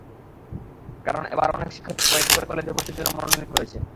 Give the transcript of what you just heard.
কারণ, এবার অনেক শিক্ষার্থী কয়েকটি করে কলেজে ভর্তির জন্য মনোনীত হয়েছে।